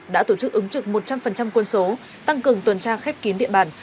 đã tổ chức ứng trực một trăm linh quân số tăng cường tuần tra khép kín địa bàn